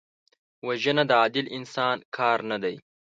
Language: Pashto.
وژنه د عادل انسان کار نه دی